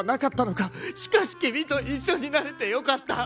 しかし君と一緒になれてよかった。